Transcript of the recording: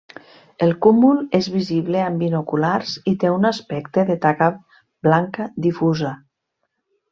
El cúmul és visible amb binoculars i té un aspecte de taca blanca difusa.